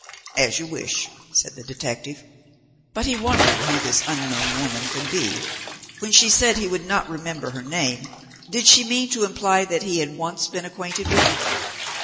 "As you wish," said the detective. But he wondered who this unknown woman could be. When she said he would not remember her name, did she mean to imply that he had once been acquainted with it?